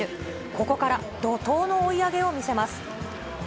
ここから怒とうの追い上げを見せます。